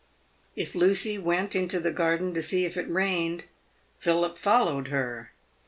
If Lucy went into the garden to see if it rained, Philip followed her.